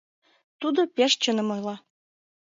— Тудо пеш чыным ойла.